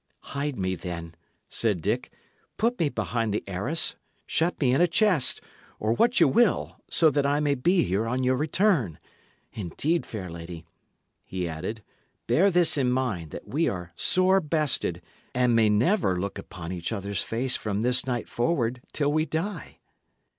"Hide me, then," said Dick, "put me behind the arras, shut me in a chest, or what ye will, so that I may be here on your return. Indeed, fair lady," he added, "bear this in mind, that we are sore bested, and may never look upon each other's face from this night forward till we die."